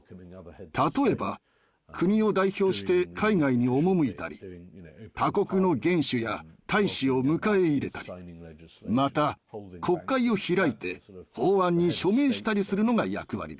例えば国を代表して海外に赴いたり他国の元首や大使を迎え入れたりまた国会を開いて法案に署名したりするのが役割です。